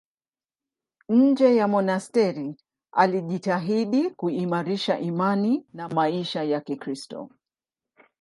Nje ya monasteri alijitahidi kuimarisha imani na maisha ya Kikristo.